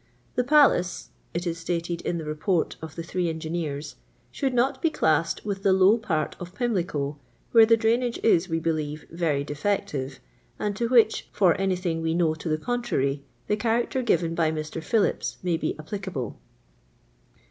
" The Palace," it ia edited in the Report of the three engineers, " ahouid not be classed with the low part of Pimlico, where ifce drainage is, we believe, very defective, and to which, for anything we know to the contrary, the character given by Mr. Phillips may be applica ble."